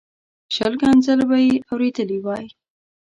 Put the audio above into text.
شل ښکنځل به یې اورېدلي وای.